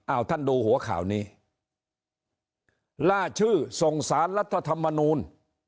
เอาท่านดูหัวข่าวนี้ล่าชื่อส่งสารรัฐธรรมนูล